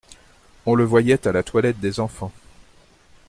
On le voyait à la toilette des enfants.